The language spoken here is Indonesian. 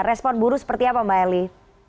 respon buru seperti apa mbak eli